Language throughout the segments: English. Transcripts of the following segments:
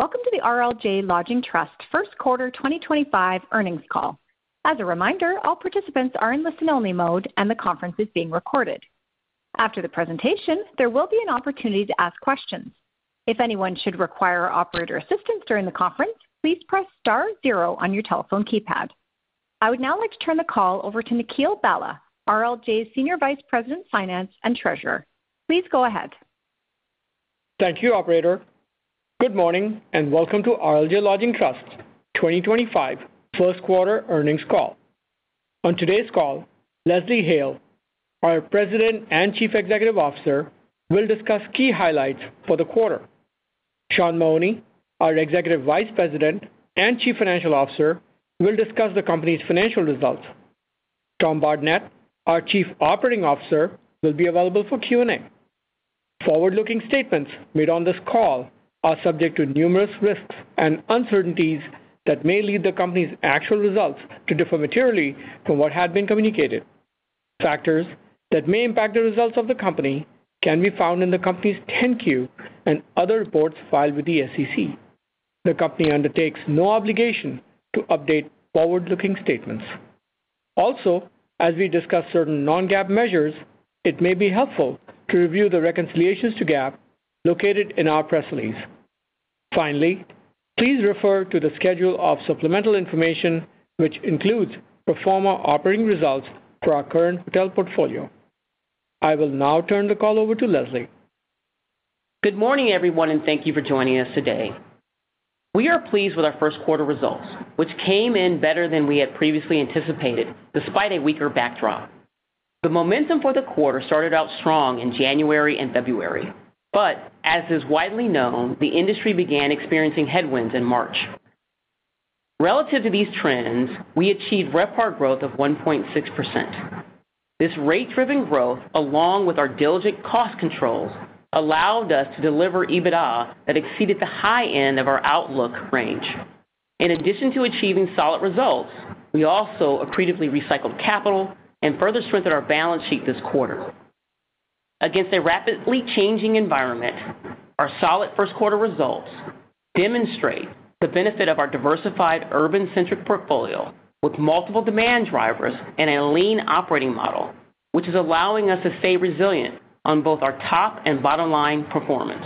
Welcome to the RLJ Lodging Trust First Quarter 2025 earnings call. As a reminder, all participants are in listen-only mode, and the conference is being recorded. After the presentation, there will be an opportunity to ask questions. If anyone should require operator assistance during the conference, please press star zero on your telephone keypad. I would now like to turn the call over to Nikhil Bhalla, RLJ's Senior Vice President, Finance and Treasurer. Please go ahead. Thank you, Operator. Good morning and welcome to RLJ Lodging Trust 2025 First Quarter earnings call. On today's call, Leslie Hale, our President and Chief Executive Officer, will discuss key highlights for the quarter. Sean Mahoney, our Executive Vice President and Chief Financial Officer, will discuss the company's financial results. Tom Bardenett, our Chief Operating Officer, will be available for Q&A. Forward-looking statements made on this call are subject to numerous risks and uncertainties that may lead the company's actual results to differ materially from what had been communicated. Factors that may impact the results of the company can be found in the company's 10-Q and other reports filed with the SEC. The company undertakes no obligation to update forward-looking statements. Also, as we discuss certain non-GAAP measures, it may be helpful to review the reconciliations to GAAP located in our press release. Finally, please refer to the schedule of supplemental information, which includes pro forma operating results for our current hotel portfolio. I will now turn the call over to Leslie. Good morning, everyone, and thank you for joining us today. We are pleased with our first quarter results, which came in better than we had previously anticipated despite a weaker backdrop. The momentum for the quarter started out strong in January and February, but as is widely known, the industry began experiencing headwinds in March. Relative to these trends, we achieved record growth of 1.6%. This rate-driven growth, along with our diligent cost controls, allowed us to deliver EBITDA that exceeded the high end of our outlook range. In addition to achieving solid results, we also accretively recycled capital and further strengthened our balance sheet this quarter. Against a rapidly changing environment, our solid first quarter results demonstrate the benefit of our diversified urban-centric portfolio with multiple demand drivers and a lean operating model, which is allowing us to stay resilient on both our top and bottom line performance.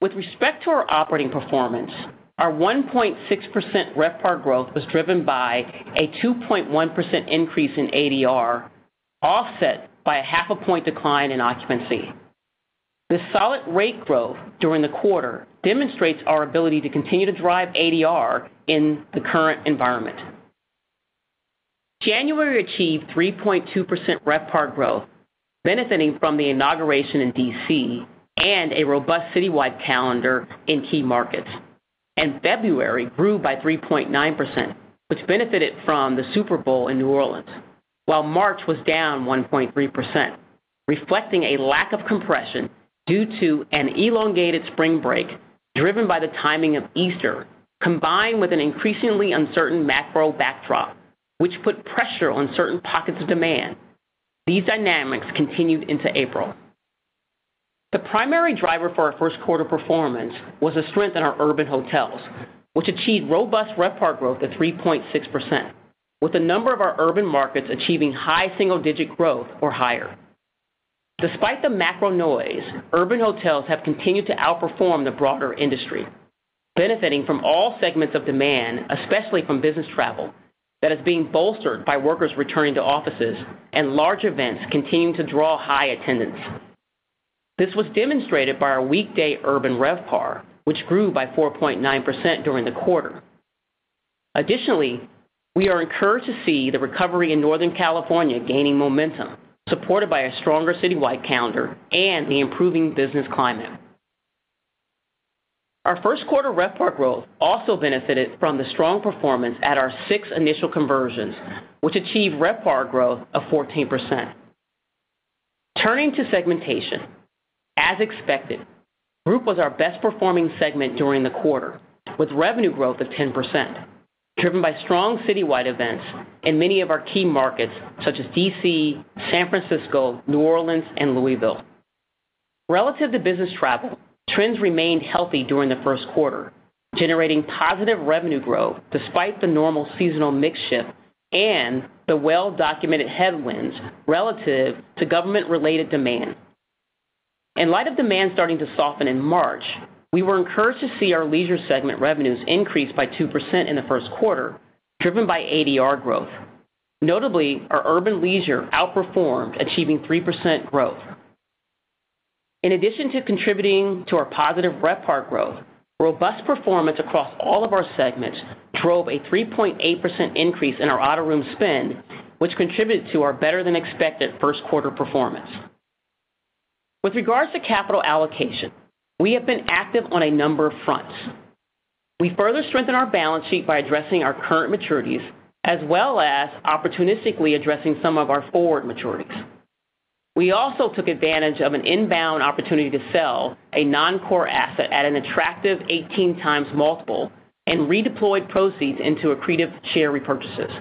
With respect to our operating performance, our 1.6% RevPAR growth was driven by a 2.1% increase in ADR, offset by a half a point decline in occupancy. This solid rate growth during the quarter demonstrates our ability to continue to drive ADR in the current environment. January achieved 3.2% RevPAR growth, benefiting from the inauguration in Washington DC and a robust citywide calendar in key markets. February grew by 3.9%, which benefited from the Super Bowl in New Orleans, while March was down 1.3%, reflecting a lack of compression due to an elongated spring break driven by the timing of Easter, combined with an increasingly uncertain macro backdrop, which put pressure on certain pockets of demand. These dynamics continued into April. The primary driver for our first quarter performance was a strength in our urban hotels, which achieved robust RevPAR growth of 3.6%, with a number of our urban markets achieving high single-digit growth or higher. Despite the macro noise, urban hotels have continued to outperform the broader industry, benefiting from all segments of demand, especially from business travel that is being bolstered by workers returning to offices and large events continuing to draw high attendance. This was demonstrated by our weekday urban RevPAR, which grew by 4.9% during the quarter. Additionally, we are encouraged to see the recovery in Northern California gaining momentum, supported by a stronger citywide calendar and the improving business climate. Our first quarter RevPAR growth also benefited from the strong performance at our six initial conversions, which achieved RevPAR growth of 14%. Turning to segmentation, as expected, group was our best-performing segment during the quarter, with revenue growth of 10%, driven by strong citywide events in many of our key markets such as DC, San Francisco, New Orleans, and Louisville. Relative to business travel, trends remained healthy during the first quarter, generating positive revenue growth despite the normal seasonal mix shift and the well-documented headwinds relative to government-related demand. In light of demand starting to soften in March, we were encouraged to see our leisure segment revenues increase by 2% in the first quarter, driven by ADR growth. Notably, our urban leisure outperformed, achieving 3% growth. In addition to contributing to our positive RevPAR growth, robust performance across all of our segments drove a 3.8% increase in our out-room-spend, which contributed to our better-than-expected first quarter performance. With regards to capital allocation, we have been active on a number of fronts. We further strengthened our balance sheet by addressing our current maturities, as well as opportunistically addressing some of our forward maturities. We also took advantage of an inbound opportunity to sell a non-core asset at an attractive 18 times multiple and redeployed proceeds into accretive share repurchases.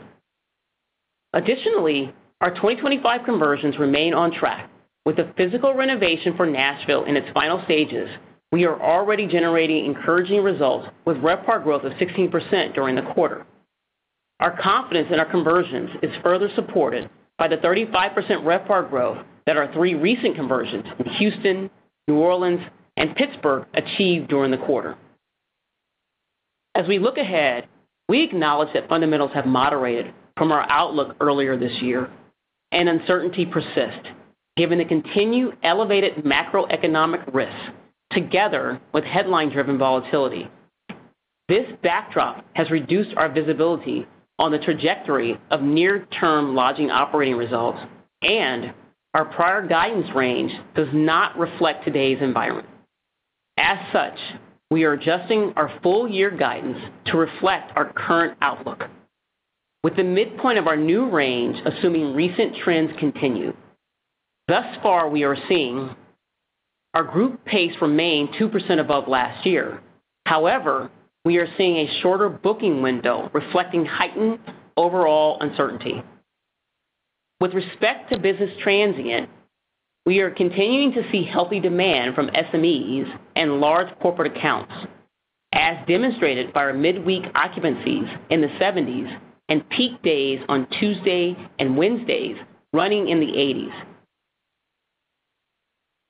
Additionally, our 2025 conversions remain on track. With the physical renovation for Nashville in its final stages, we are already generating encouraging results with RevPAR growth of 16% during the quarter. Our confidence in our conversions is further supported by the 35% RevPAR growth that our three recent conversions in Houston, New Orleans, and Pittsburgh achieved during the quarter. As we look ahead, we acknowledge that fundamentals have moderated from our outlook earlier this year, and uncertainty persists given the continued elevated macroeconomic risk together with headline-driven volatility. This backdrop has reduced our visibility on the trajectory of near-term lodging operating results, and our prior guidance range does not reflect today's environment. As such, we are adjusting our full-year guidance to reflect our current outlook, with the midpoint of our new range assuming recent trends continue. Thus far, we are seeing our group pace remain 2% above last year. However, we are seeing a shorter booking window reflecting heightened overall uncertainty. With respect to business transient, we are continuing to see healthy demand from SMEs and large corporate accounts, as demonstrated by our midweek occupancies in the 70s and peak days on Tuesday and Wednesdays running in the 80s.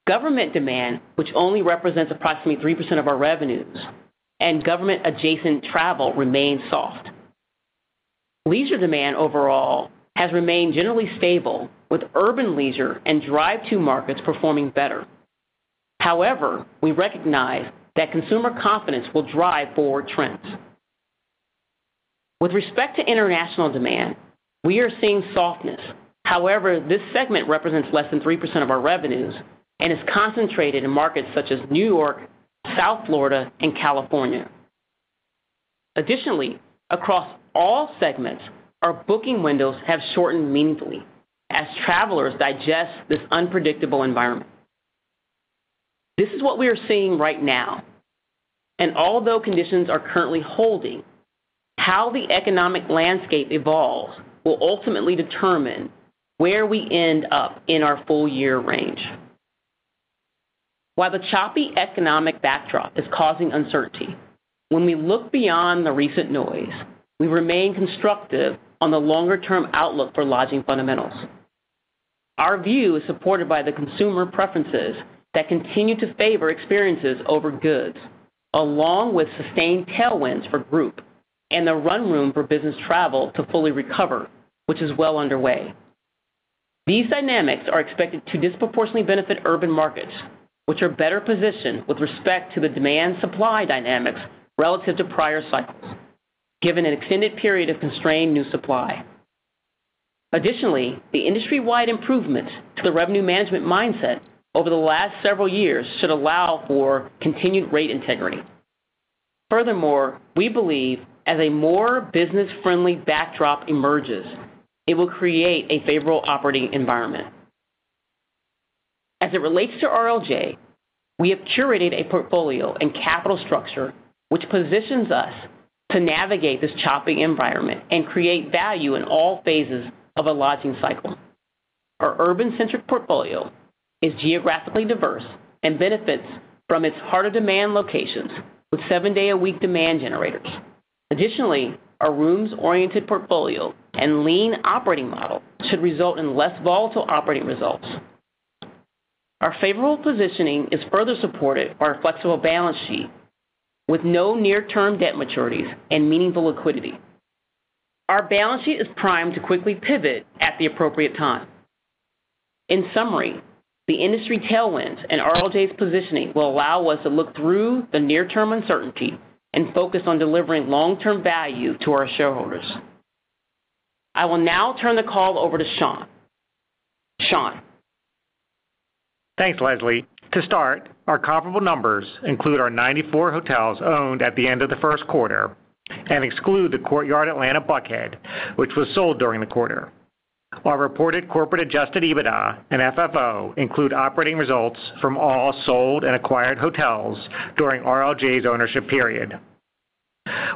Government demand, which only represents approximately 3% of our revenues, and government-adjacent travel remain soft. Leisure demand overall has remained generally stable, with urban leisure and drive-to markets performing better. However, we recognize that consumer confidence will drive forward trends. With respect to international demand, we are seeing softness. However, this segment represents less than 3% of our revenues and is concentrated in markets such as New York, South Florida, and California. Additionally, across all segments, our booking windows have shortened meaningfully as travelers digest this unpredictable environment. This is what we are seeing right now, and although conditions are currently holding, how the economic landscape evolves will ultimately determine where we end up in our full-year range. While the choppy economic backdrop is causing uncertainty, when we look beyond the recent noise, we remain constructive on the longer-term outlook for lodging fundamentals. Our view is supported by the consumer preferences that continue to favor experiences over goods, along with sustained tailwinds for group and the run room for business travel to fully recover, which is well underway. These dynamics are expected to disproportionately benefit urban markets, which are better positioned with respect to the demand-supply dynamics relative to prior cycles, given an extended period of constrained new supply. Additionally, the industry-wide improvements to the revenue management mindset over the last several years should allow for continued rate integrity. Furthermore, we believe as a more business-friendly backdrop emerges, it will create a favorable operating environment. As it relates to RLJ, we have curated a portfolio and capital structure which positions us to navigate this choppy environment and create value in all phases of a lodging cycle. Our urban-centric portfolio is geographically diverse and benefits from its harder-demand locations with seven-day-a-week demand generators. Additionally, our rooms-oriented portfolio and lean operating model should result in less volatile operating results. Our favorable positioning is further supported by our flexible balance sheet, with no near-term debt maturities and meaningful liquidity. Our balance sheet is primed to quickly pivot at the appropriate time. In summary, the industry tailwinds and RLJ's positioning will allow us to look through the near-term uncertainty and focus on delivering long-term value to our shareholders. I will now turn the call over to Sean. Sean. Thanks, Leslie. To start, our comparable numbers include our 94 hotels owned at the end of the first quarter and exclude the Courtyard Atlanta Buckhead, which was sold during the quarter. Our reported corporate-adjusted EBITDA and FFO include operating results from all sold and acquired hotels during RLJ's ownership period.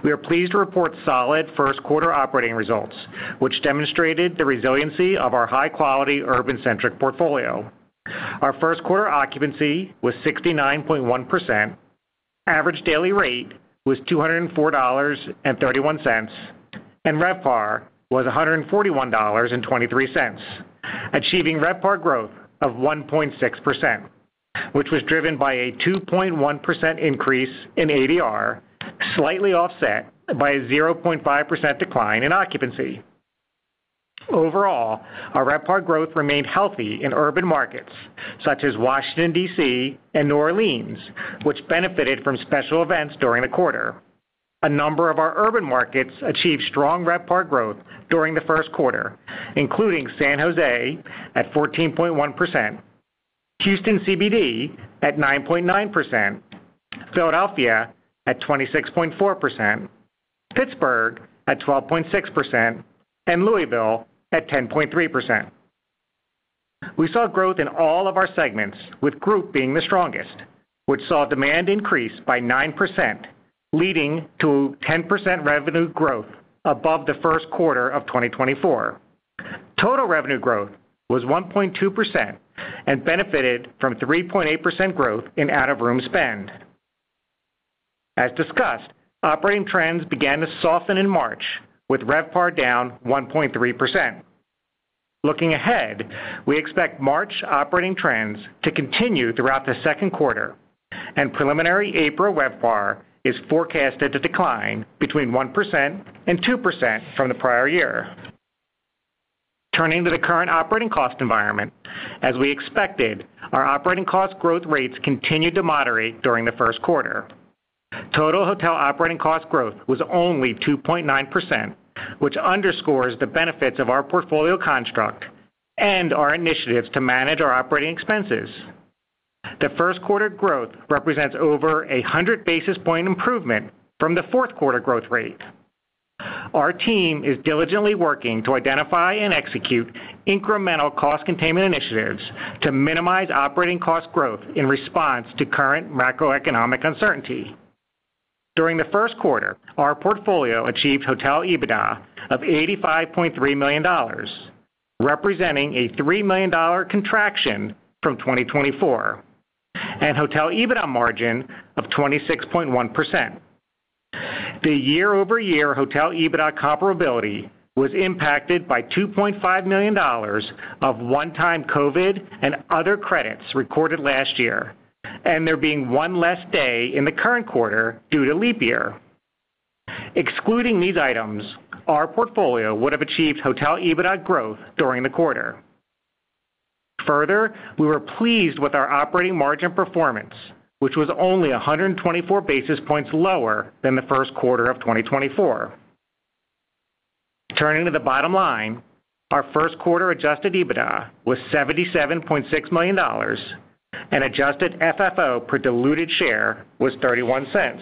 We are pleased to report solid first-quarter operating results, which demonstrated the resiliency of our high-quality urban-centric portfolio. Our first-quarter occupancy was 69.1%, average daily rate was $204.31, and RevPAR was $141.23, achieving RevPAR growth of 1.6%, which was driven by a 2.1% increase in ADR, slightly offset by a 0.5% decline in occupancy. Overall, our RevPAR growth remained healthy in urban markets such as Washington, DC, and New Orleans, which benefited from special events during the quarter. A number of our urban markets achieved strong RevPAR growth during the first quarter, including San Jose at 14.1%, Houston CBD at 9.9%, Philadelphia at 26.4%, Pittsburgh at 12.6%, and Louisville at 10.3%. We saw growth in all of our segments, with group being the strongest, which saw demand increase by 9%, leading to 10% revenue growth above the first quarter of 2024. Total revenue growth was 1.2% and benefited from 3.8% growth in out-of-room spend. As discussed, operating trends began to soften in March, with RevPAR down 1.3%. Looking ahead, we expect March operating trends to continue throughout the second quarter, and preliminary April RevPAR is forecasted to decline between 1% and 2% from the prior year. Turning to the current operating cost environment, as we expected, our operating cost growth rates continued to moderate during the first quarter. Total hotel operating cost growth was only 2.9%, which underscores the benefits of our portfolio construct and our initiatives to manage our operating expenses. The first-quarter growth represents over a 100 basis point improvement from the fourth-quarter growth rate. Our team is diligently working to identify and execute incremental cost containment initiatives to minimize operating cost growth in response to current macroeconomic uncertainty. During the first quarter, our portfolio achieved hotel EBITDA of $85.3 million, representing a $3 million contraction from 2024, and hotel EBITDA margin of 26.1%. The year-over-year hotel EBITDA comparability was impacted by $2.5 million of one-time COVID and other credits recorded last year, and there being one less day in the current quarter due to leap year. Excluding these items, our portfolio would have achieved hotel EBITDA growth during the quarter. Further, we were pleased with our operating margin performance, which was only 124 basis points lower than the first quarter of 2024. Turning to the bottom line, our first-quarter adjusted EBITDA was $77.6 million, and adjusted FFO per diluted share was $0.31.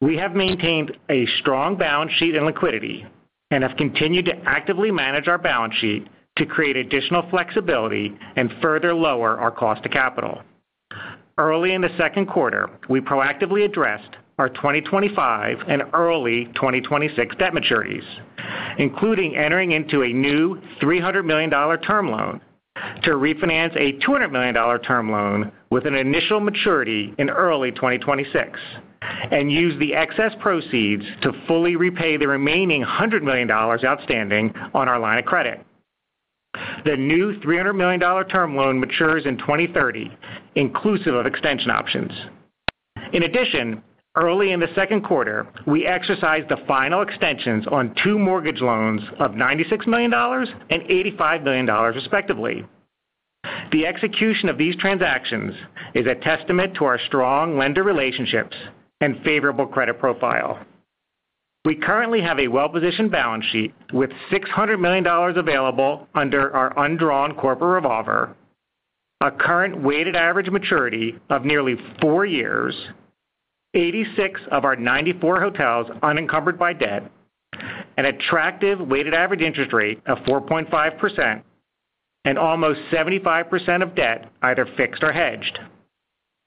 We have maintained a strong balance sheet and liquidity and have continued to actively manage our balance sheet to create additional flexibility and further lower our cost of capital. Early in the second quarter, we proactively addressed our 2025 and early 2026 debt maturities, including entering into a new $300 million term loan to refinance a $200 million term loan with an initial maturity in early 2026, and used the excess proceeds to fully repay the remaining $100 million outstanding on our line of credit. The new $300 million term loan matures in 2030, inclusive of extension options. In addition, early in the second quarter, we exercised the final extensions on two mortgage loans of $96 million and $85 million, respectively. The execution of these transactions is a testament to our strong lender relationships and favorable credit profile. We currently have a well-positioned balance sheet with $600 million available under our undrawn corporate revolver, a current weighted average maturity of nearly four years, 86 of our 94 hotels unencumbered by debt, an attractive weighted average interest rate of 4.5%, and almost 75% of debt either fixed or hedged.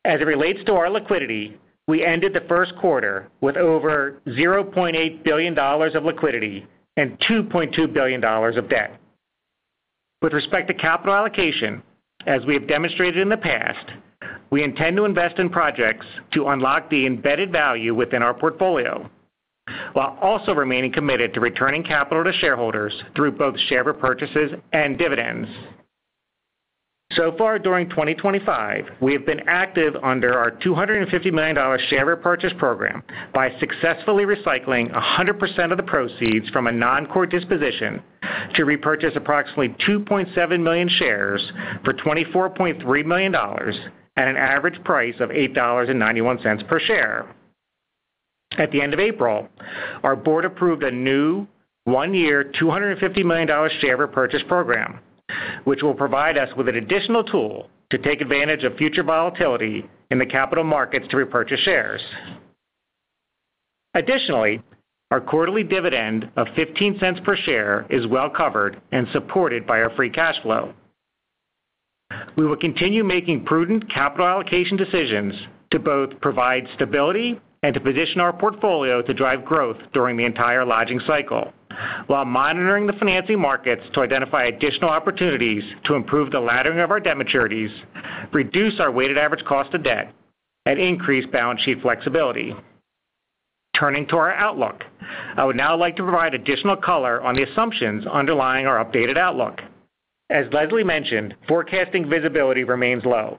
As it relates to our liquidity, we ended the first quarter with over $0.8 billion of liquidity and $2.2 billion of debt. With respect to capital allocation, as we have demonstrated in the past, we intend to invest in projects to unlock the embedded value within our portfolio, while also remaining committed to returning capital to shareholders through both share repurchases and dividends. During 2025, we have been active under our $250 million share repurchase program by successfully recycling 100% of the proceeds from a non-core disposition to repurchase approximately 2.7 million shares for $24.3 million at an average price of $8.91 per share. At the end of April, our board approved a new one-year $250 million share repurchase program, which will provide us with an additional tool to take advantage of future volatility in the capital markets to repurchase shares. Additionally, our quarterly dividend of $0.15 per share is well covered and supported by our free cash flow. We will continue making prudent capital allocation decisions to both provide stability and to position our portfolio to drive growth during the entire lodging cycle, while monitoring the financing markets to identify additional opportunities to improve the laddering of our debt maturities, reduce our weighted average cost of debt, and increase balance sheet flexibility. Turning to our outlook, I would now like to provide additional color on the assumptions underlying our updated outlook. As Leslie mentioned, forecasting visibility remains low.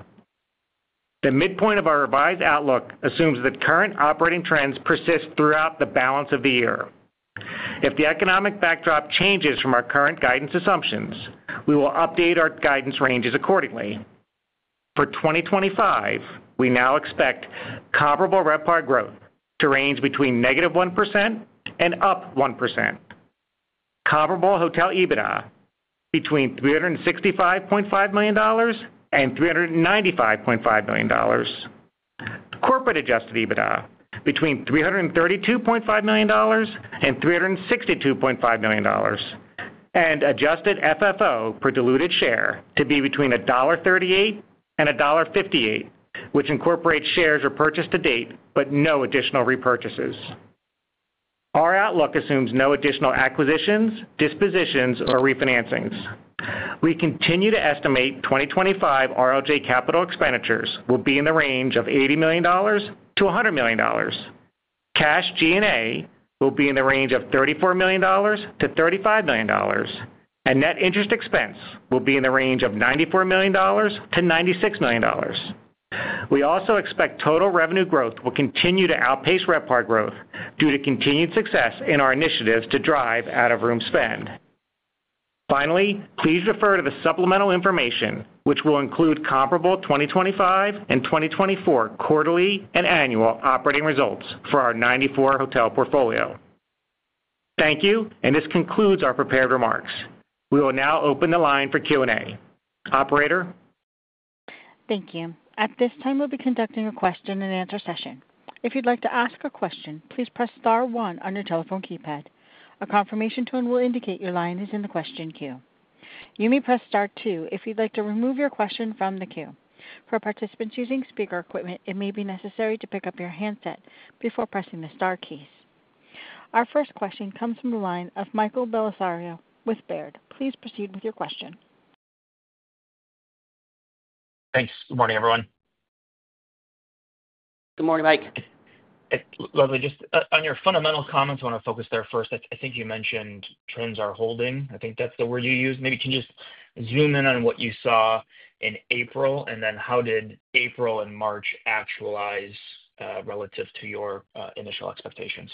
The midpoint of our revised outlook assumes that current operating trends persist throughout the balance of the year. If the economic backdrop changes from our current guidance assumptions, we will update our guidance ranges accordingly. For 2025, we now expect comparable RLJ growth to range between -1% and 1%. Comparable hotel EBITDA between $365.5 million and $395.5 million. Corporate-adjusted EBITDA between $332.5 million and $362.5 million, and adjusted FFO per diluted share to be between $1.38 and $1.58, which incorporates shares repurchased to date but no additional repurchases. Our outlook assumes no additional acquisitions, dispositions, or refinancings. We continue to estimate 2025 RLJ capital expenditures will be in the range of $80 million-$100 million. Cash G&A will be in the range of $34 million-$35 million, and net interest expense will be in the range of $94 million-$96 million. We also expect total revenue growth will continue to outpace RLJ growth due to continued success in our initiatives to drive out-of-room spend. Finally, please refer to the supplemental information, which will include comparable 2025 and 2024 quarterly and annual operating results for our 94 hotel portfolio. Thank you, and this concludes our prepared remarks. We will now open the line for Q&A. Operator. Thank you. At this time, we'll be conducting a question-and-answer session. If you'd like to ask a question, please press Star 1 on your telephone keypad. A confirmation tone will indicate your line is in the question queue. You may press Star 2 if you'd like to remove your question from the queue. For participants using speaker equipment, it may be necessary to pick up your handset before pressing the Star keys. Our first question comes from the line of Michael Bellisario with Baird. Please proceed with your question. Thanks. Good morning, everyone. Good morning, Mike. Leslie, just on your fundamental comments, I want to focus there first. I think you mentioned trends are holding. I think that's the word you used. Maybe can you just zoom in on what you saw in April, and then how did April and March actualize relative to your initial expectations?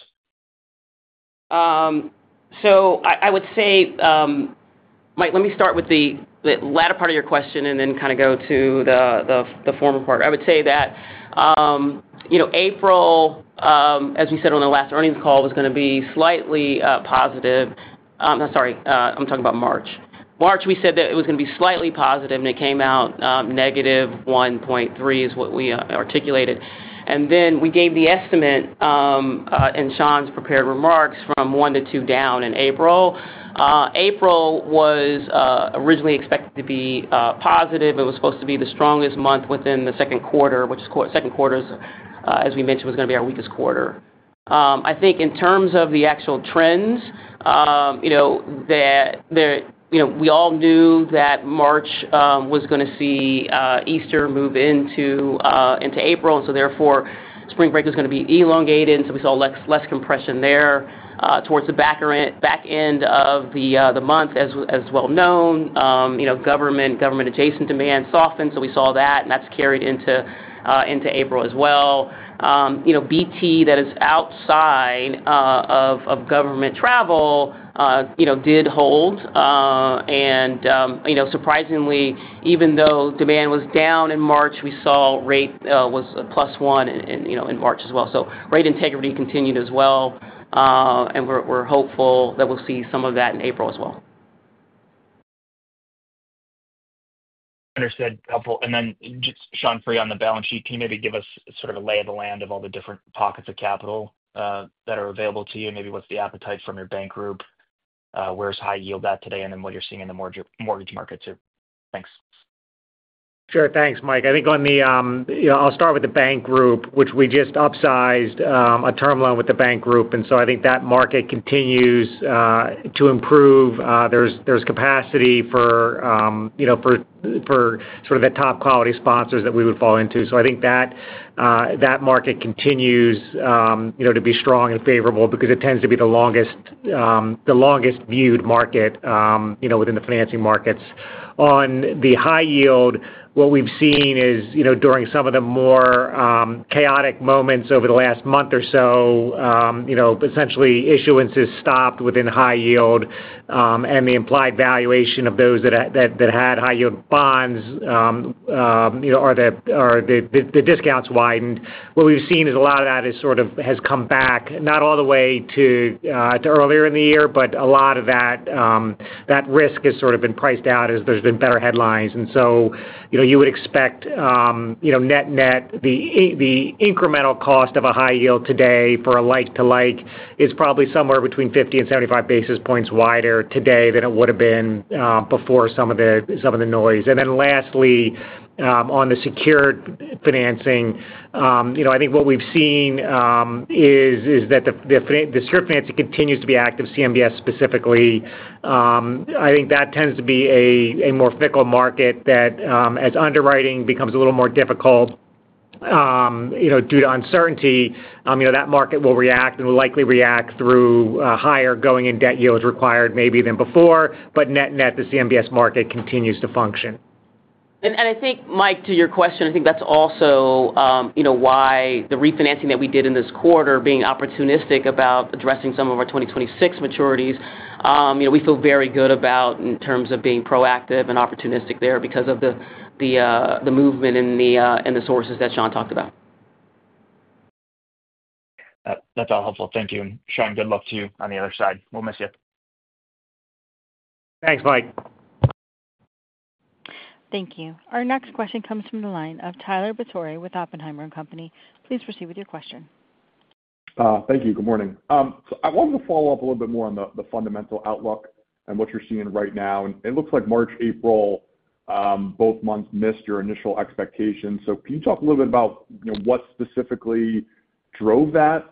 I would say, Mike, let me start with the latter part of your question and then kind of go to the former part. I would say that April, as we said on the last earnings call, was going to be slightly positive. Sorry, I'm talking about March. March, we said that it was going to be slightly positive, and it came out negative 1.3%, is what we articulated. Then we gave the estimate in Sean's prepared remarks from 1%-2% down in April. April was originally expected to be positive. It was supposed to be the strongest month within the second quarter, which second quarter, as we mentioned, was going to be our weakest quarter. I think in terms of the actual trends, we all knew that March was going to see Easter move into April, and so therefore spring break was going to be elongated. We saw less compression there towards the back end of the month, as well known. Government-adjacent demand softened, so we saw that, and that's carried into April as well. BT that is outside of government travel did hold. And surprisingly, even though demand was down in March, we saw rate was plus one in March as well. Rate integrity continued as well, and we're hopeful that we'll see some of that in April as well. Understood. Helpful. Sean, for you on the balance sheet, can you maybe give us sort of a lay of the land of all the different pockets of capital that are available to you? Maybe what's the appetite from your bank group? Where's high yield at today? What you're seeing in the mortgage market too. Thanks. Sure. Thanks, Mike. I think I'll start with the bank group, which we just upsized a term loan with the bank group. I think that market continues to improve. There's capacity for sort of the top quality sponsors that we would fall into. I think that market continues to be strong and favorable because it tends to be the longest viewed market within the financing markets. On the high yield, what we've seen is during some of the more chaotic moments over the last month or so, essentially issuances stopped within high yield, and the implied valuation of those that had high yield bonds or the discounts widened. What we've seen is a lot of that sort of has come back, not all the way to earlier in the year, but a lot of that risk has sort of been priced out as there's been better headlines. You would expect net-net, the incremental cost of a high yield today for a like-to-like is probably somewhere between 50 and 75 basis points wider today than it would have been before some of the noise. Lastly, on the secured financing, I think what we've seen is that the secured financing continues to be active, CMBS specifically. I think that tends to be a more fickle market that, as underwriting becomes a little more difficult due to uncertainty, that market will react and will likely react through higher going-in-debt yields required maybe than before, but net-net, the CMBS market continues to function. I think, Mike, to your question, I think that's also why the refinancing that we did in this quarter, being opportunistic about addressing some of our 2026 maturities, we feel very good about in terms of being proactive and opportunistic there because of the movement in the sources that Sean talked about. That's all helpful. Thank you. Sean, good luck to you on the other side. We'll miss you. Thanks, Mike. Thank you. Our next question comes from the line of Tyler Batory with Oppenheimer & Company. Please proceed with your question. Thank you. Good morning. I wanted to follow up a little bit more on the fundamental outlook and what you're seeing right now. It looks like March, April, both months missed your initial expectations. Can you talk a little bit about what specifically drove that?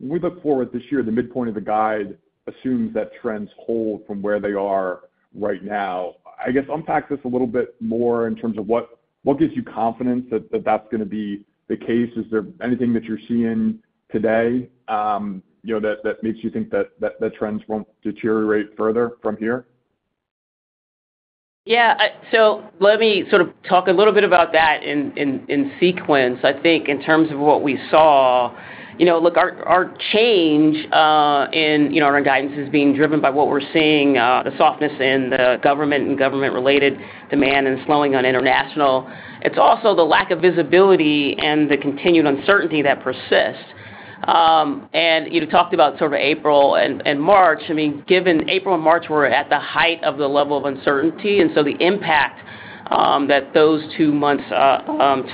We look forward this year, the midpoint of the guide assumes that trends hold from where they are right now. I guess unpack this a little bit more in terms of what gives you confidence that that's going to be the case. Is there anything that you're seeing today that makes you think that the trends won't deteriorate further from here? Yeah. Let me sort of talk a little bit about that in sequence. I think in terms of what we saw, look, our change in our guidance is being driven by what we're seeing, the softness in the government and government-related demand and slowing on international. It's also the lack of visibility and the continued uncertainty that persists. You talked about sort of April and March. I mean, given April and March were at the height of the level of uncertainty, the impact that those two months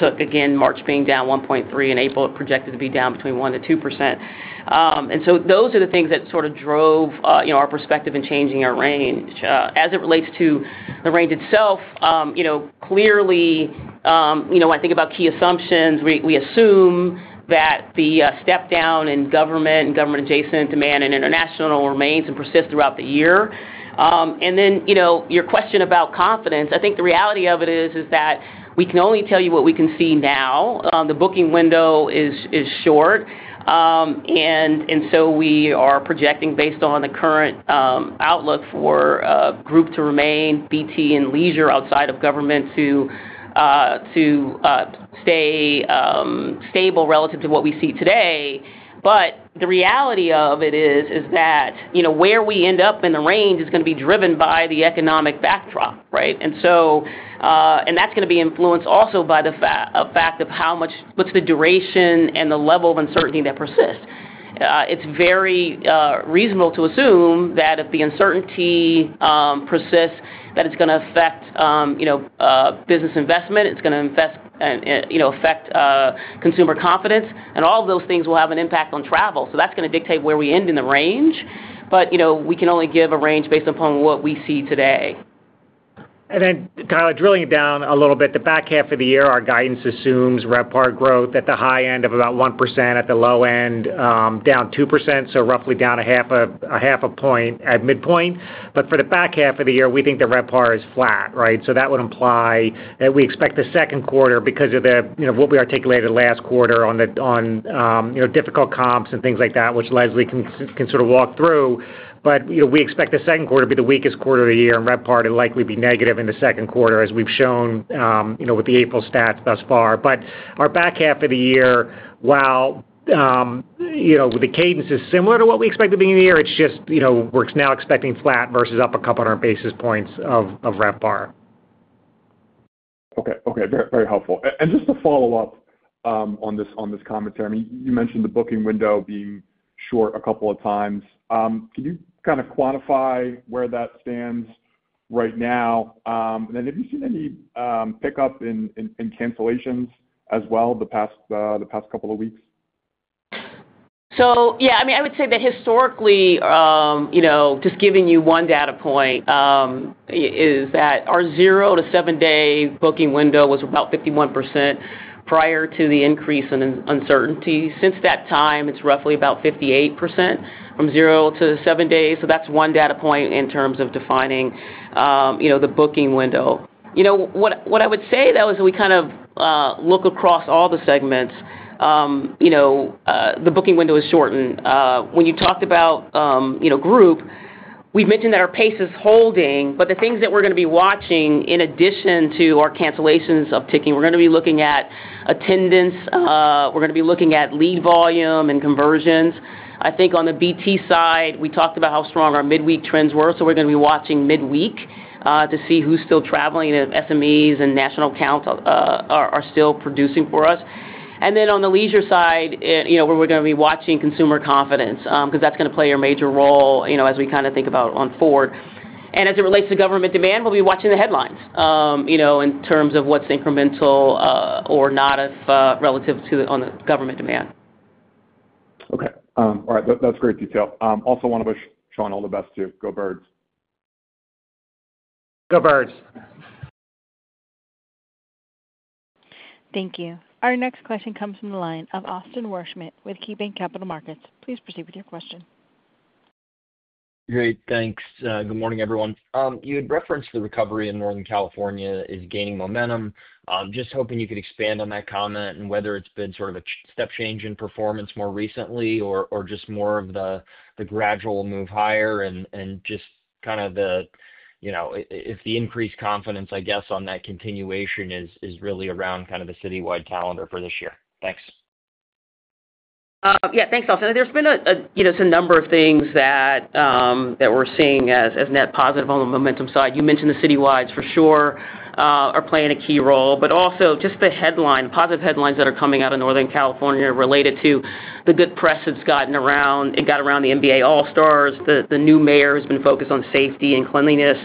took, again, March being down 1.3%, and April projected to be down between 1% and 2%. Those are the things that sort of drove our perspective in changing our range. As it relates to the range itself, clearly, when I think about key assumptions, we assume that the step down in government and government-adjacent demand and international remains and persists throughout the year. Your question about confidence, I think the reality of it is that we can only tell you what we can see now. The booking window is short, and we are projecting based on the current outlook for group to remain, BT and leisure outside of government to stay stable relative to what we see today. The reality of it is that where we end up in the range is going to be driven by the economic backdrop, right? That is going to be influenced also by the fact of how much, what is the duration, and the level of uncertainty that persists. It's very reasonable to assume that if the uncertainty persists, that it's going to affect business investment, it's going to affect consumer confidence, and all of those things will have an impact on travel. That is going to dictate where we end in the range, but we can only give a range based upon what we see today. Then, Tyler, drilling it down a little bit, the back half of the year, our guidance assumes RLJ growth at the high end of about 1%, at the low end, down 2%, so roughly down half a point at midpoint. For the back half of the year, we think RLJ is flat, right? That would imply that we expect the second quarter because of what we articulated last quarter on difficult comps and things like that, which Leslie can sort of walk through. We expect the second quarter to be the weakest quarter of the year, and RLJ to likely be negative in the second quarter, as we've shown with the April stats thus far. Our back half of the year, while the cadence is similar to what we expected being in the year, it's just we're now expecting flat versus up a couple hundred basis points of RLJ. Okay. Okay. Very helpful. Just to follow up on this commentary, I mean, you mentioned the booking window being short a couple of times. Can you kind of quantify where that stands right now? Have you seen any pickup in cancellations as well the past couple of weeks? Yeah, I mean, I would say that historically, just giving you one data point is that our zero to seven-day booking window was about 51% prior to the increase in uncertainty. Since that time, it's roughly about 58% from zero to seven days. That's one data point in terms of defining the booking window. What I would say, though, is we kind of look across all the segments. The booking window is shortened. When you talked about group, we've mentioned that our pace is holding, but the things that we're going to be watching in addition to our cancellations upticking, we're going to be looking at attendance. We're going to be looking at lead volume and conversions. I think on the BT side, we talked about how strong our midweek trends were, so we're going to be watching midweek to see who's still traveling, if SMEs and national accounts are still producing for us. On the leisure side, we're going to be watching consumer confidence because that's going to play a major role as we kind of think about on forward. As it relates to government demand, we'll be watching the headlines in terms of what's incremental or not relative to the government demand. Okay. All right. That's great detail. Also want to wish Sean all the best too. Go Birds. Go Birds. Thank you. Our next question comes from the line of Austin Worsham with KeyBanc Capital Markets. Please proceed with your question. Great. Thanks. Good morning, everyone. You had referenced the recovery in Northern California is gaining momentum. Just hoping you could expand on that comment and whether it's been sort of a step change in performance more recently or just more of the gradual move higher and just kind of if the increased confidence, I guess, on that continuation is really around kind of the citywide calendar for this year. Thanks. Yeah. Thanks, Austin. There's been a number of things that we're seeing as net positive on the momentum side. You mentioned the citywides, for sure, are playing a key role, but also just the positive headlines that are coming out of Northern California related to the good press that's gotten around. It got around the NBA All-Stars. The new mayor has been focused on safety and cleanliness,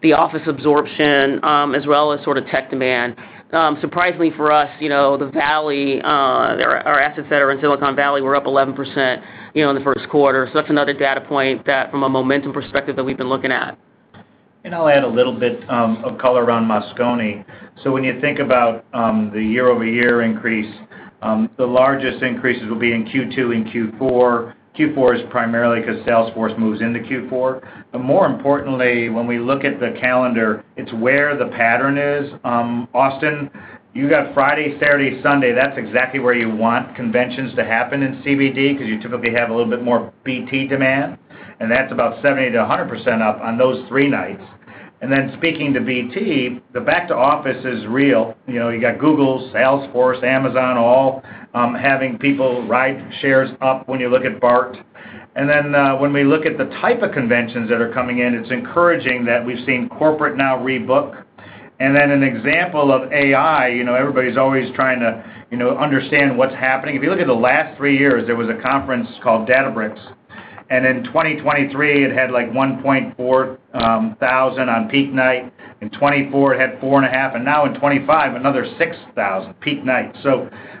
the office absorption, as well as sort of tech demand. Surprisingly for us, the Valley, our assets that are in Silicon Valley, were up 11% in the first quarter. That's another data point from a momentum perspective that we've been looking at. I'll add a little bit of color around Moscone. When you think about the year-over-year increase, the largest increases will be in Q2 and Q4. Q4 is primarily because Salesforce moves into Q4. More importantly, when we look at the calendar, it's where the pattern is. Austin, you got Friday, Saturday, Sunday. That's exactly where you want conventions to happen in CBD because you typically have a little bit more BT demand, and that's about 70%-100% up on those three nights. Speaking to BT, the back-to-office is real. You got Google, Salesforce, Amazon, all having people ride shares up when you look at BART. When we look at the type of conventions that are coming in, it's encouraging that we've seen corporate now rebook. An example of AI, everybody's always trying to understand what's happening. If you look at the last three years, there was a conference called Databricks. In 2023, it had like 1,400 on peak night. In 2024, it had 4,500. In 2025, another 6,000 peak night.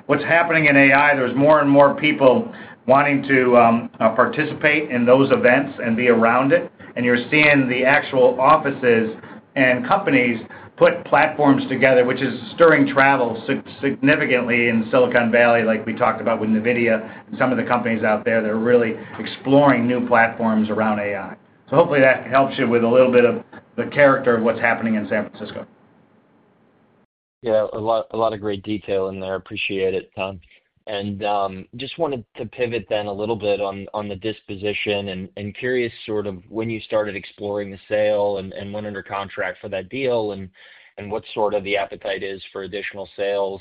What is happening in AI, there are more and more people wanting to participate in those events and be around it. You are seeing the actual offices and companies put platforms together, which is stirring travel significantly in Silicon Valley, like we talked about with NVIDIA and some of the companies out there that are really exploring new platforms around AI. Hopefully that helps you with a little bit of the character of what is happening in San Francisco. Yeah. A lot of great detail in there. Appreciate it, Tom. I just wanted to pivot then a little bit on the disposition and curious sort of when you started exploring the sale and went under contract for that deal and what sort of the appetite is for additional sales.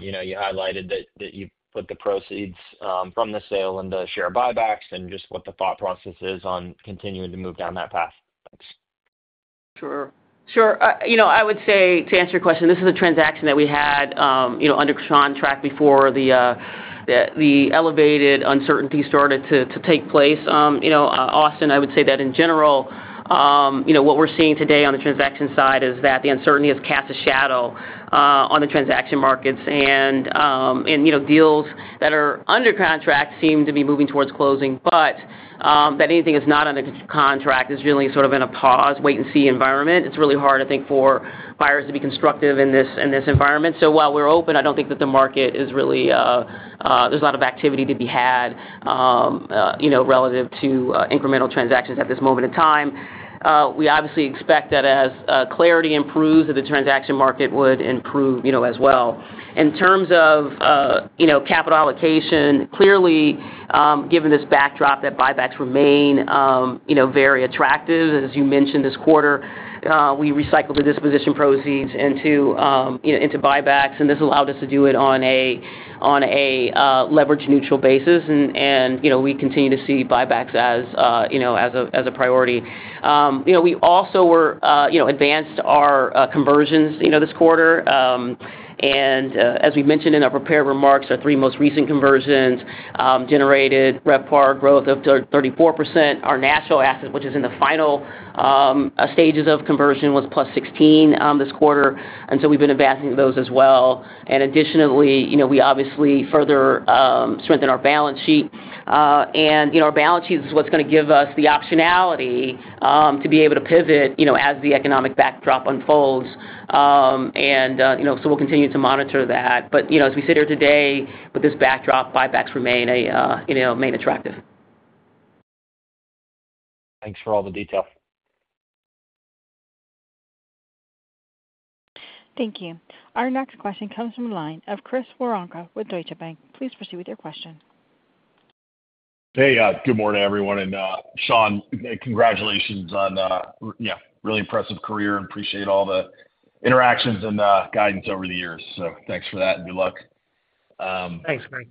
You highlighted that you put the proceeds from the sale into share buybacks and just what the thought process is on continuing to move down that path. Thanks. Sure. Sure. I would say to answer your question, this is a transaction that we had under contract before the elevated uncertainty started to take place. Austin, I would say that in general, what we're seeing today on the transaction side is that the uncertainty has cast a shadow on the transaction markets. Deals that are under contract seem to be moving towards closing, but anything that's not under contract is really sort of in a pause, wait-and-see environment. It's really hard, I think, for buyers to be constructive in this environment. While we're open, I don't think that the market is really there's a lot of activity to be had relative to incremental transactions at this moment in time. We obviously expect that as clarity improves, the transaction market would improve as well. In terms of capital allocation, clearly, given this backdrop that buybacks remain very attractive, as you mentioned, this quarter, we recycled the disposition proceeds into buybacks, and this allowed us to do it on a leverage-neutral basis. We continue to see buybacks as a priority. We also advanced our conversions this quarter. As we mentioned in our prepared remarks, our three most recent conversions generated RLJ growth of 34%. Our national asset, which is in the final stages of conversion, was plus 16% this quarter. We have been advancing those as well. Additionally, we obviously further strengthened our balance sheet. Our balance sheet is what's going to give us the optionality to be able to pivot as the economic backdrop unfolds. We will continue to monitor that. As we sit here today, with this backdrop, buybacks remain attractive. Thanks for all the detail. Thank you. Our next question comes from the line of Chris Woronka with Deutsche Bank. Please proceed with your question. Hey, good morning, everyone. Sean, congratulations on a really impressive career. Appreciate all the interactions and guidance over the years. Thanks for that and good luck. Thanks, Mike.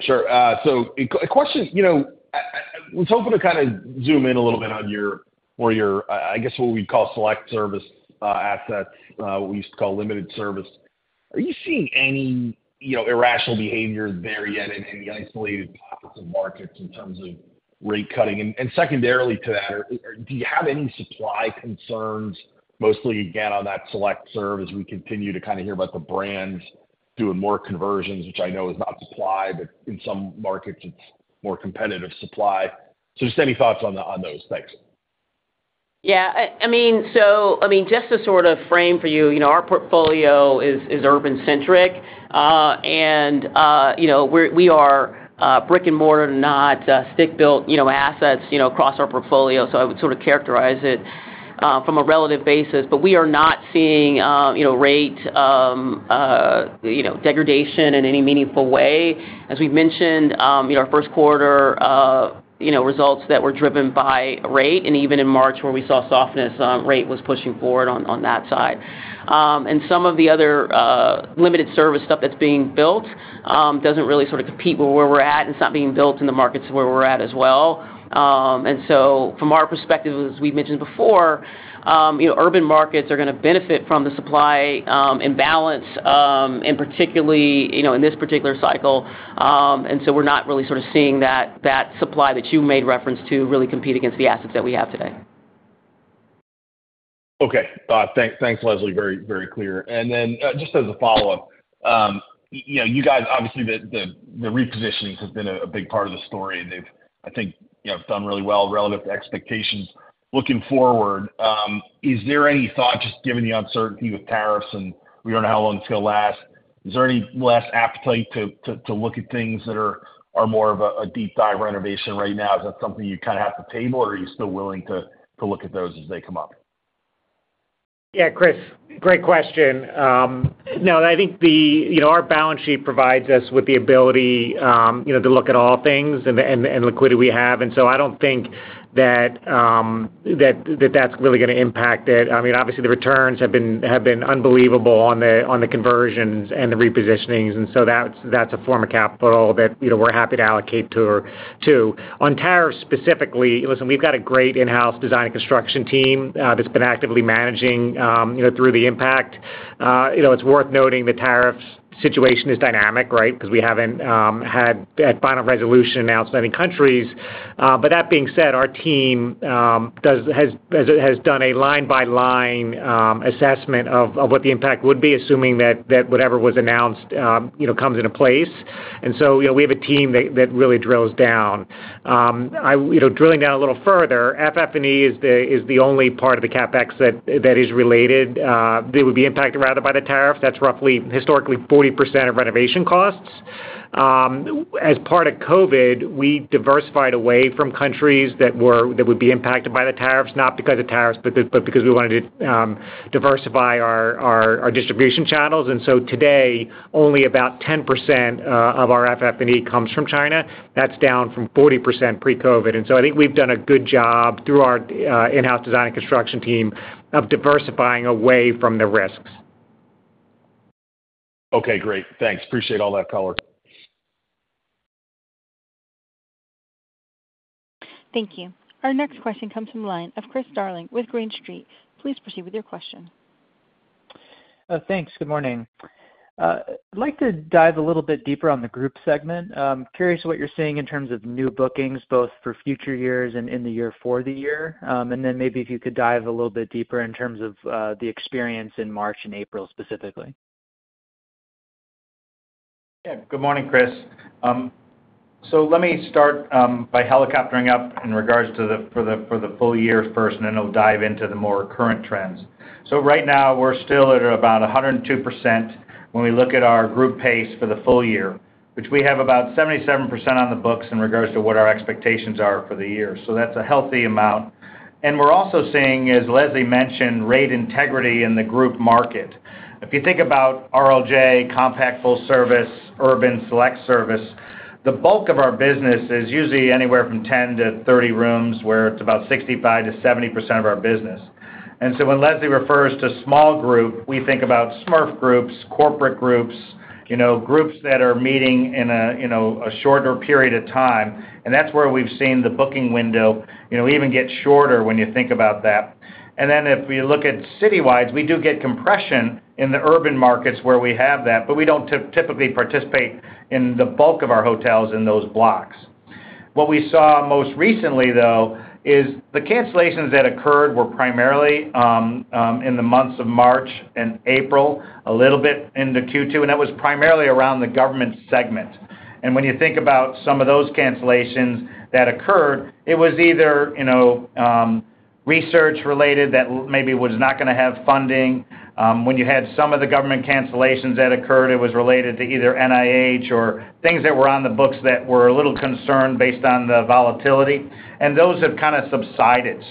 Sure. A question. I was hoping to kind of zoom in a little bit on your, I guess, what we'd call select service assets, what we used to call limited service. Are you seeing any irrational behavior there yet in any isolated markets in terms of rate cutting? Secondarily to that, do you have any supply concerns, mostly again on that select serve, as we continue to kind of hear about the brands doing more conversions, which I know is not supply, but in some markets, it's more competitive supply? Just any thoughts on those? Thanks. Yeah. I mean, just to sort of frame for you, our portfolio is urban-centric, and we are brick-and-mortar, not stick-built assets across our portfolio. I would sort of characterize it from a relative basis. We are not seeing rate degradation in any meaningful way. As we've mentioned, our first quarter results were driven by rate, and even in March, where we saw softness, rate was pushing forward on that side. Some of the other limited service stuff that's being built does not really sort of compete with where we're at, and it's not being built in the markets where we're at as well. From our perspective, as we've mentioned before, urban markets are going to benefit from the supply imbalance, and particularly in this particular cycle. We're not really sort of seeing that supply that you made reference to really compete against the assets that we have today. Okay. Thanks, Leslie. Very clear. Just as a follow-up, you guys, obviously, the repositioning has been a big part of the story, and they've, I think, done really well relative to expectations. Looking forward, is there any thought, just given the uncertainty with tariffs, and we do not know how long it is going to last, is there any less appetite to look at things that are more of a deep-dive renovation right now? Is that something you kind of have to table, or are you still willing to look at those as they come up? Yeah, Chris, great question. No, I think our balance sheet provides us with the ability to look at all things and the liquidity we have. I don't think that that's really going to impact it. I mean, obviously, the returns have been unbelievable on the conversions and the repositionings, and that's a form of capital that we're happy to allocate to. On tariffs specifically, listen, we've got a great in-house design and construction team that's been actively managing through the impact. It's worth noting the tariffs situation is dynamic, right, because we haven't had a final resolution announced by any countries. That being said, our team has done a line-by-line assessment of what the impact would be, assuming that whatever was announced comes into place. We have a team that really drills down. Drilling down a little further, FF&E is the only part of the CapEx that is related. They would be impacted rather by the tariffs. That's roughly, historically, 40% of renovation costs. As part of COVID, we diversified away from countries that would be impacted by the tariffs, not because of tariffs, but because we wanted to diversify our distribution channels. Today, only about 10% of our FF&E comes from China. That's down from 40% pre-COVID. I think we've done a good job through our in-house design and construction team of diversifying away from the risks. Okay. Great. Thanks. Appreciate all that color. Thank you. Our next question comes from the line of Chris Darling with Green Street. Please proceed with your question. Thanks. Good morning. I'd like to dive a little bit deeper on the group segment. Curious what you're seeing in terms of new bookings, both for future years and in the year for the year. Maybe if you could dive a little bit deeper in terms of the experience in March and April specifically. Yeah. Good morning, Chris. Let me start by helicoptering up in regards to the full year first, and then I'll dive into the more current trends. Right now, we're still at about 102% when we look at our group pace for the full year, which we have about 77% on the books in regards to what our expectations are for the year. That's a healthy amount. We're also seeing, as Leslie mentioned, rate integrity in the group market. If you think about RLJ, Compact Full Service, Urban Select Service, the bulk of our business is usually anywhere from 10-30 rooms, where it's about 65-70% of our business. When Leslie refers to small group, we think about SMERF groups, corporate groups, groups that are meeting in a shorter period of time. That is where we have seen the booking window even get shorter when you think about that. If we look at citywides, we do get compression in the urban markets where we have that, but we do not typically participate in the bulk of our hotels in those blocks. What we saw most recently, though, is the cancellations that occurred were primarily in the months of March and April, a little bit into Q2, and that was primarily around the government segment. When you think about some of those cancellations that occurred, it was either research-related that maybe was not going to have funding. When you had some of the government cancellations that occurred, it was related to either NIH or things that were on the books that were a little concerned based on the volatility. Those have kind of subsided.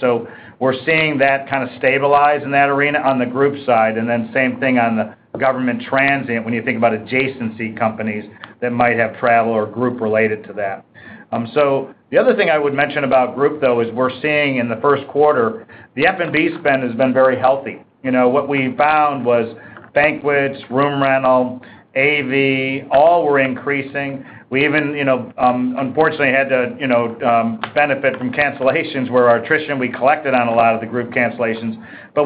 We're seeing that kind of stabilize in that arena on the group side. The same thing on the government transient when you think about adjacency companies that might have travel or group related to that. The other thing I would mention about group, though, is we're seeing in the first quarter, the F&B spend has been very healthy. What we found was banquets, room rental, AV, all were increasing. We even, unfortunately, had to benefit from cancellations where our attrition, we collected on a lot of the group cancellations.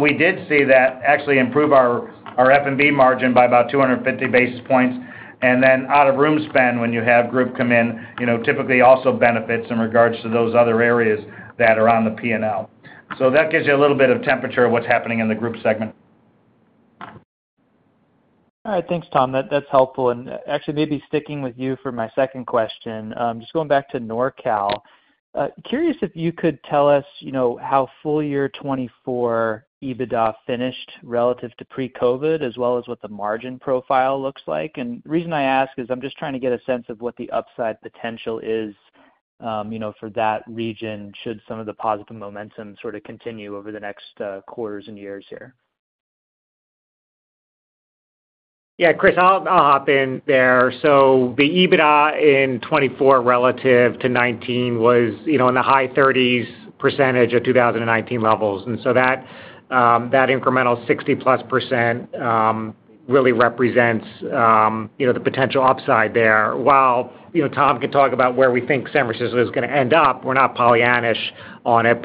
We did see that actually improve our F&B margin by about 250 basis points. Out-of-room spend, when you have group come in, typically also benefits in regards to those other areas that are on the P&L. That gives you a little bit of temperature of what's happening in the group segment. All right. Thanks, Tom. That's helpful. Actually, maybe sticking with you for my second question, just going back to NorCal, curious if you could tell us how full year 2024 EBITDA finished relative to pre-COVID, as well as what the margin profile looks like. The reason I ask is I'm just trying to get a sense of what the upside potential is for that region should some of the positive momentum sort of continue over the next quarters and years here. Yeah, Chris, I'll hop in there. The EBITDA in 2024 relative to 2019 was in the high 30% of 2019 levels. That incremental 60-plus % really represents the potential upside there. While Tom can talk about where we think San Francisco is going to end up, we're not Pollyannish on it.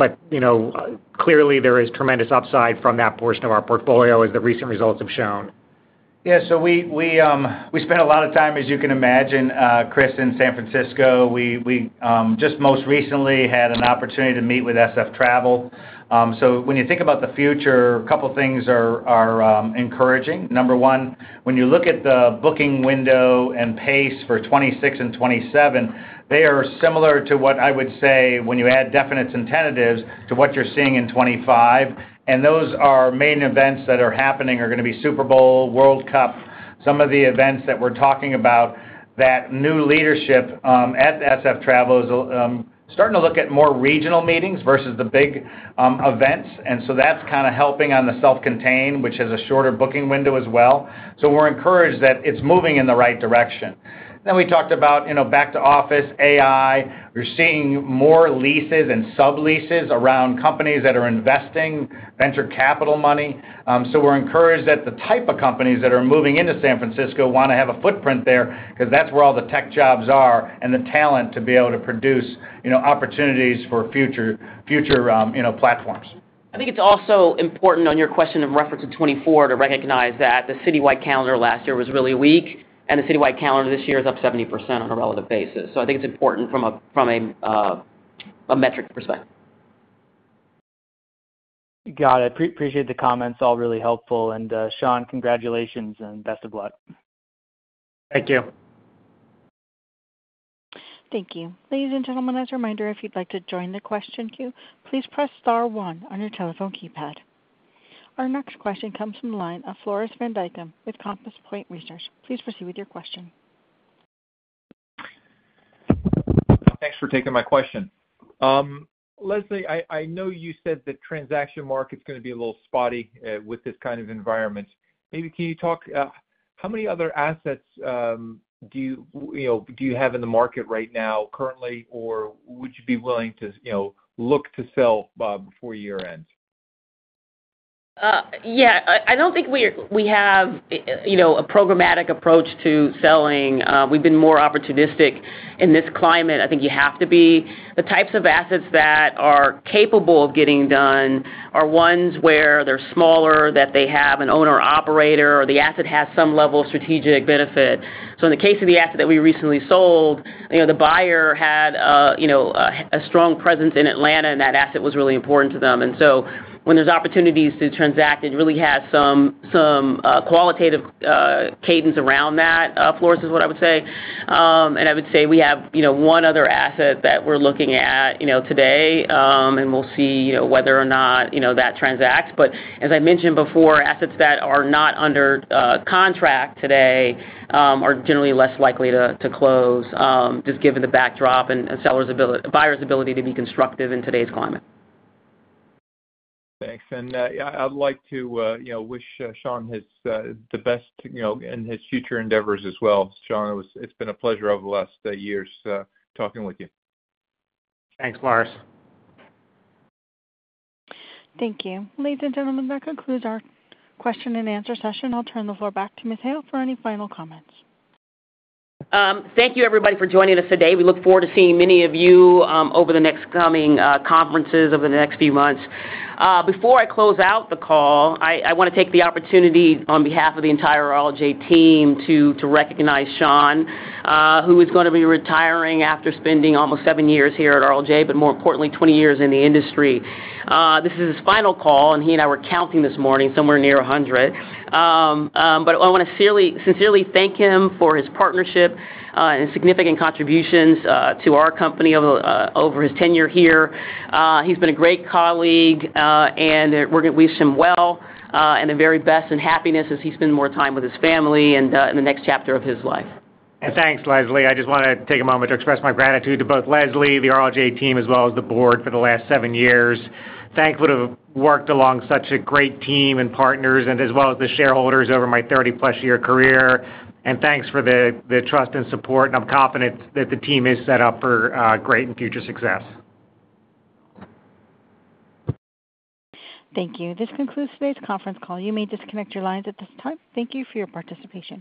Clearly, there is tremendous upside from that portion of our portfolio, as the recent results have shown. Yeah. We spent a lot of time, as you can imagine, Chris, in San Francisco. We just most recently had an opportunity to meet with SF Travel. When you think about the future, a couple of things are encouraging. Number one, when you look at the booking window and pace for 2026 and 2027, they are similar to what I would say when you add definites and tentatives to what you're seeing in 2025. Those main events that are happening are going to be Super Bowl, World Cup, some of the events that we're talking about. That new leadership at SF Travel is starting to look at more regional meetings versus the big events. That is kind of helping on the self-contained, which has a shorter booking window as well. We are encouraged that it's moving in the right direction. We talked about back-to-office, AI. We're seeing more leases and sub-leases around companies that are investing venture capital money. We are encouraged that the type of companies that are moving into San Francisco want to have a footprint there because that's where all the tech jobs are and the talent to be able to produce opportunities for future platforms. I think it's also important on your question of reference in 2024 to recognize that the citywide calendar last year was really weak, and the citywide calendar this year is up 70% on a relative basis. I think it's important from a metric perspective. Got it. Appreciate the comments. All really helpful. Sean, congratulations and best of luck. Thank you. Thank you. Ladies and gentlemen, as a reminder, if you'd like to join the question queue, please press star one on your telephone keypad. Our next question comes from the line of Floris van Dijkum with Compass Point Research. Please proceed with your question. Thanks for taking my question. Leslie, I know you said the transaction market's going to be a little spotty with this kind of environment. Maybe can you talk how many other assets do you have in the market right now currently, or would you be willing to look to sell before year-end? Yeah. I don't think we have a programmatic approach to selling. We've been more opportunistic in this climate. I think you have to be, the types of assets that are capable of getting done are ones where they're smaller, that they have an owner-operator, or the asset has some level of strategic benefit. In the case of the asset that we recently sold, the buyer had a strong presence in Atlanta, and that asset was really important to them. When there's opportunities to transact, it really has some qualitative cadence around that, Floris, is what I would say. I would say we have one other asset that we're looking at today, and we'll see whether or not that transacts. As I mentioned before, assets that are not under contract today are generally less likely to close just given the backdrop and buyer's ability to be constructive in today's climate. Thanks. Yeah, I'd like to wish Sean the best in his future endeavors as well. Sean, it's been a pleasure over the last years talking with you. Thanks, Floris. Thank you. Ladies and gentlemen, that concludes our question and answer session. I'll turn the floor back to Ms. Hale for any final comments. Thank you, everybody, for joining us today. We look forward to seeing many of you over the next coming conferences over the next few months. Before I close out the call, I want to take the opportunity on behalf of the entire RLJ team to recognize Sean, who is going to be retiring after spending almost seven years here at RLJ, but more importantly, 20 years in the industry. This is his final call, and he and I were counting this morning, somewhere near 100. I want to sincerely thank him for his partnership and significant contributions to our company over his tenure here. He's been a great colleague, and we wish him well and the very best and happiness as he spends more time with his family and the next chapter of his life. Thanks, Leslie. I just want to take a moment to express my gratitude to both Leslie, the RLJ team, as well as the board for the last seven years. Thankful to have worked along such a great team and partners, as well as the shareholders over my 30-plus year career. Thanks for the trust and support. I'm confident that the team is set up for great and future success. Thank you. This concludes today's conference call. You may disconnect your lines at this time. Thank you for your participation.